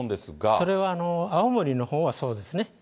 それは青森のほうはそうですね。